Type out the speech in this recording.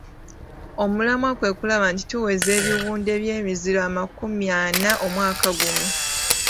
Omulamwa kwe kulaba nti tuweza ebiwunde by'emiziro amakumi ana omwaka guno.